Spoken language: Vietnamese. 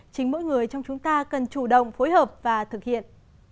chính mỗi người trong chúng ta cần chủ động phối hợp và thực hiện